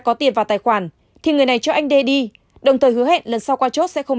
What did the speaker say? có tiền vào tài khoản thì người này cho anh đê đi đồng thời hứa hẹn lần sau qua chốt sẽ không